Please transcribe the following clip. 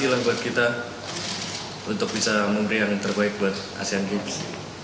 ini juga buat kita untuk bisa memberikan yang terbaik buat asian games